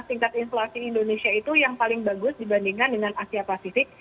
tingkat inflasi indonesia itu yang paling bagus dibandingkan dengan asia pasifik